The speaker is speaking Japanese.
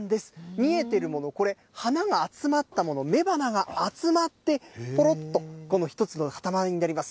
見えてるもの、これ、花が集まったもの、めばなが集まって、ころっと、この１つの塊になります。